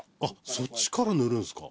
そっちから塗るんすか？